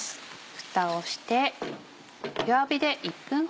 ふたをして。